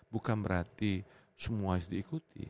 bukan berarti semua sd ikuti